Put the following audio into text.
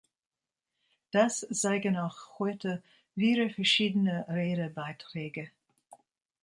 Das zeigen auch heute wieder verschiedene Redebeiträge.